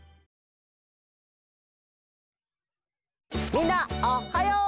みんなおっはよう！